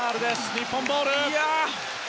日本ボール。